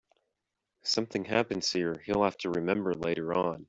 Something happens here you'll have to remember later on.